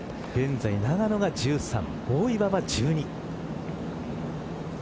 現在、永野が１３大岩は１２。